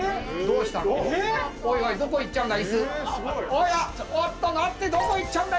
おやおっと待ってどこいっちゃうんだ？